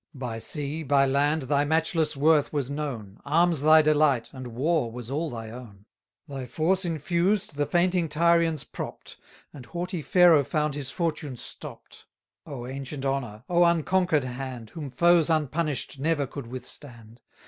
By sea, by land, thy matchless worth was known, 840 Arms thy delight, and war was all thy own: Thy force infused the fainting Tyrians propp'd; And haughty Pharaoh found his fortune stopp'd. O ancient honour! O unconquer'd hand, Whom foes unpunish'd never could withstand!